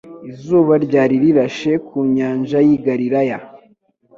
Izuba ryari rirashe ku nyanja y'i Galilaya.